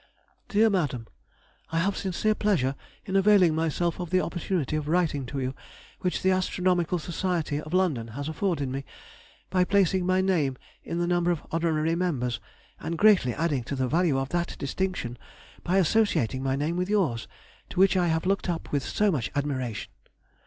DEAR MADAM,— I have sincere pleasure in availing myself of the opportunity of writing to you which the Astronomical Society of London has afforded me, by placing my name in the number of Honorary Members, and greatly adding to the value of that distinction by associating my name with yours, to which I have looked up with so much admiration.